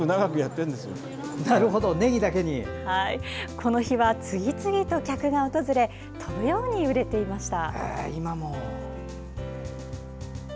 この日は次々と客が訪れ飛ぶように売れていました。